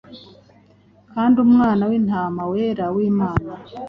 Kandi Umwana w'intama wera w'Imana